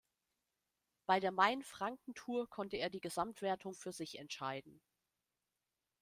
Bei der Mainfranken-Tour konnte er die Gesamtwertung für sich entscheiden.